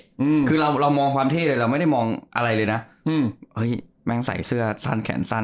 อืมคือเราเรามองความเท่เลยเราไม่ได้มองอะไรเลยนะอืมเฮ้ยแม่งใส่เสื้อสั้นแขนสั้น